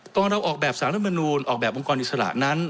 ตอนเราออกแบบสารรัฐมนูลออกแบบองค์กรอิสระนั้น